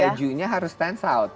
karena bajunya harus stand out